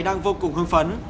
đang vô cùng hương phấn